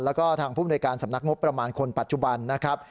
แล้วก็ทางภูมิในการสำนักงบประมาณคนปัจจุบันนะครับ